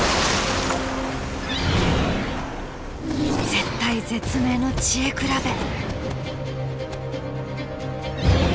絶体絶命の知恵比べ。